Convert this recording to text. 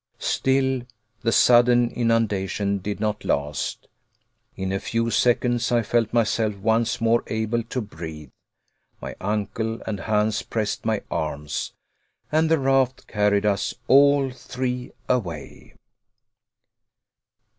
Still the sudden inundation did not last. In a few seconds I felt myself once more able to breathe. My uncle and Hans pressed my arms, and the raft carried us all three away.